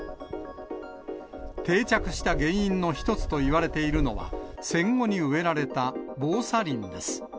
定着した原因の一つといわれているのは、戦後に植えられた防砂林です。